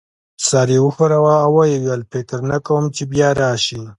سر یې وښوراوه او ويې ویل: فکر نه کوم چي بیا راشې.